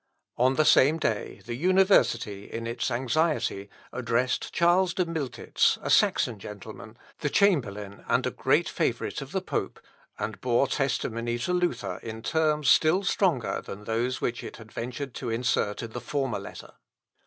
On the same day the university, in its anxiety, addressed Charles de Miltitz, a Saxon gentleman, the chamberlain, and a great favourite of the pope, and bore testimony to Luther in terms still stronger than those which it had ventured to insert in the former letter.